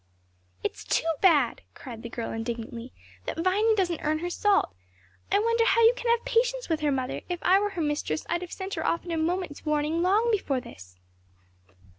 "It is too bad!" cried the girl, indignantly; "that Viny doesn't earn her salt! I wonder how you can have patience with her, mother, if I were her mistress I'd have sent her off at a moment's warning long before this."